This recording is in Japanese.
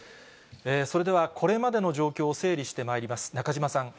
それでは、これまでの状況を整理してまいります。